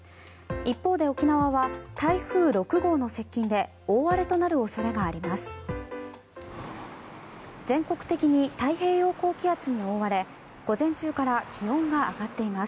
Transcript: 一方で沖縄は台風６号の接近で大荒れとなる恐れがあります。